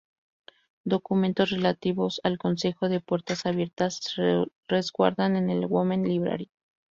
Documentos relativos al Consejo de puertas abiertas, se resguardan en el Women's Library.